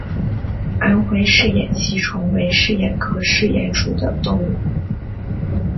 安徽嗜眼吸虫为嗜眼科嗜眼属的动物。